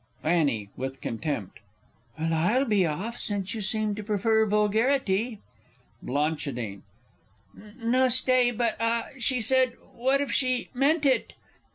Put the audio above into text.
F. (with contempt). Well, I'll be off since you seem to prefer vulgarity. Bl. No, stay but ah, she said what if she meant it?